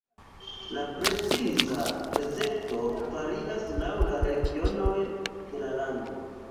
La preciza recepto varias laŭ la regionoj de la lando.